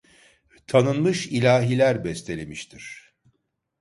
Tanınmış ilahiler bestelemiştir.